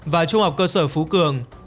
và trung học cơ sở phú cường